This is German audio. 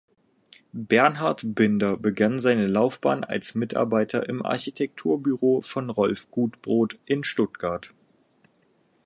Bernhard Binder begann seine Laufbahn als Mitarbeiter im Architekturbüro von Rolf Gutbrod in Stuttgart.